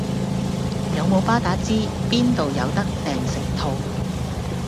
有冇巴打知邊到有得訂成套